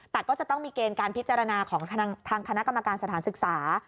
แต่ก็จะต้องมีเกณฑ์การพิจารณาของทางคณะกรรมการสถานศึกษา